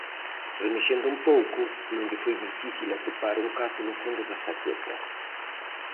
Remexendo un pouco, non lle foi difícil atopar un cazo no fondo da saqueta;